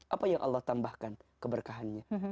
apa yang allah tambahkan keberkahannya